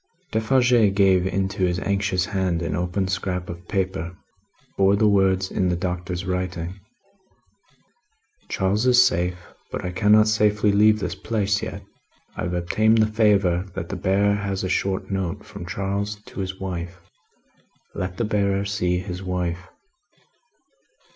Defarge gave into his anxious hand, an open scrap of paper. It bore the words in the Doctor's writing: "Charles is safe, but I cannot safely leave this place yet. I have obtained the favour that the bearer has a short note from Charles to his wife. Let the bearer see his wife."